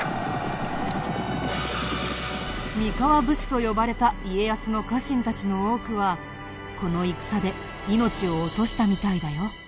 三河武士と呼ばれた家康の家臣たちの多くはこの戦で命を落としたみたいだよ。